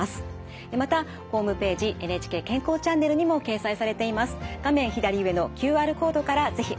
またホームページ「ＮＨＫ健康チャンネル」にも掲載されています。